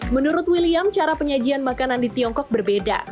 menurut william cara penyajian makanan di tiongkok berbeda